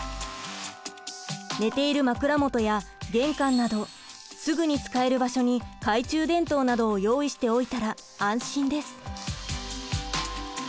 寝ている枕元や玄関などすぐに使える場所に懐中電灯などを用意しておいたら安心です。